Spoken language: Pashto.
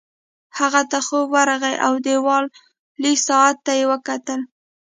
هغه ته خوب ورغی او دیوالي ساعت ته یې وکتل